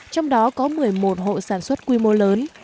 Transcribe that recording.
trong đó có một mươi một hộ sản xuất quy mô lớn